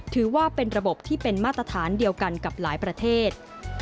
ถือว่าเป็นระบบที่เป็นมาตรฐานเดียวกันกับหลายประเทศ